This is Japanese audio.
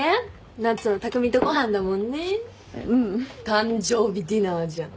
誕生日ディナーじゃん。